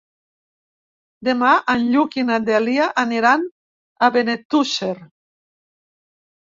Demà en Lluc i na Dèlia aniran a Benetússer.